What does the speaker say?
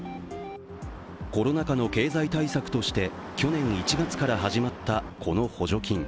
コロナ禍の経済対策として去年１月から始まった、この補助金。